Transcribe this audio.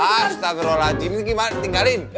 ah setadrol haji ini gimana tinggalin